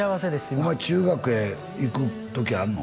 今お前中学へ行く時あんの？